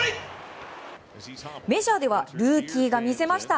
メジャーではルーキーが見せました！